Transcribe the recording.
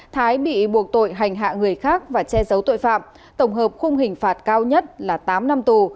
thái bị buộc tội hành hạ người khác và che giấu tội phạm tổng hợp khung hình phạt cao nhất là tám năm tù